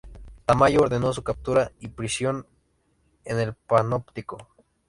Tamayo ordenó su captura y prisión en el Panóptico.